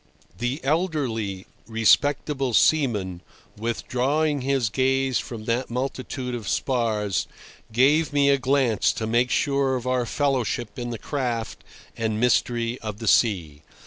The elderly, respectable seaman, withdrawing his gaze from that multitude of spars, gave me a glance to make sure of our fellowship in the craft and mystery of the sea.